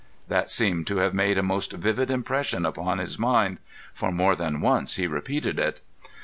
That seemed to have made a most vivid impression upon his mind, for more than once he repeated it.